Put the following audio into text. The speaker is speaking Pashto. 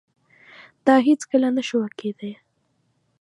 دا هیڅکله نشوای کېدای.